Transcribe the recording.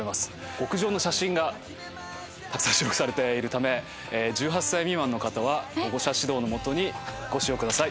極上の写真がたくさん収録されているため１８歳未満の方は保護者指導のもとにご使用ください。